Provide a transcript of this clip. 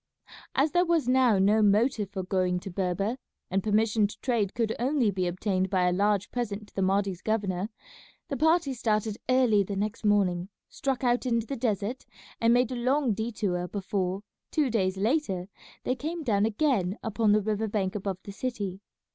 As there was now no motive for going to Berber, and permission to trade could only be obtained by a large present to the Mahdi's governor, the party started early the next morning, struck out into the desert, and made a long detour before, two days later, they came down again upon the river bank above the city.